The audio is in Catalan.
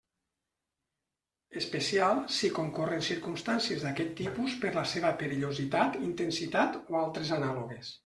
Especial, si concorren circumstàncies d'aquest tipus per la seva perillositat, intensitat o altres anàlogues.